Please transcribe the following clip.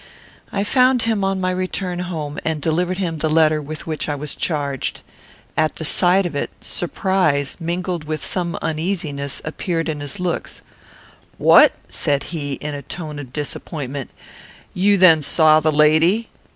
I found him on my return home, and delivered him the letter with which I was charged. At the sight of it, surprise, mingled with some uneasiness, appeared in his looks. "What!" said he, in a tone of disappointment, "you then saw the lady?"